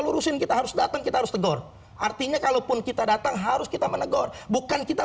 lurusin kita harus datang kita harus tegur artinya kalaupun kita datang harus kita menegur bukan kita